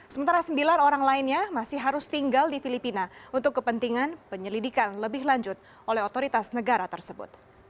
sementara sembilan orang lainnya masih harus tinggal di filipina untuk kepentingan penyelidikan lebih lanjut oleh otoritas negara tersebut